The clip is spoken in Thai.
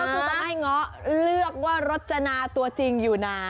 ก็ต้องให้ง้อเลือกว่ารจจนาตัวจริงอยู่ไหน